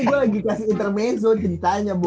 ini gue lagi kasih intermaison ceritanya bro